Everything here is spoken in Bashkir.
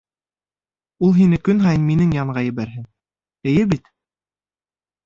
Ул һине көн һайын минең янға ебәрһен, эйе бит?